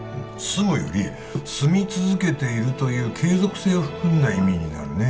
「住む」より「住み続けている」という継続性を含んだ意味になるね